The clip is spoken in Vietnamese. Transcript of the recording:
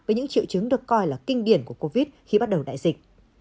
với những triệu chứng được coi là kinh điển của covid khi bắt đầu đại dịch